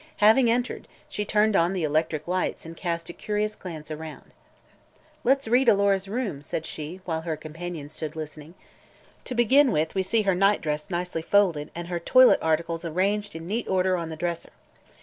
Having entered, she turned on the electric lights and cast a curious glance around. "Let's read Alora's room," said she, while her companions stood listening. "To begin with, we see her night dress nicely folded and her toilet articles arranged in neat order on the dresser.